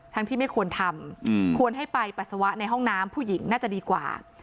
ที่ไม่ควรทำควรให้ไปปัสสาวะในห้องน้ำผู้หญิงน่าจะดีกว่า